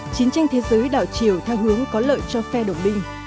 chiến tranh thế giới đảo chiều theo hướng có lợi cho phe đồng binh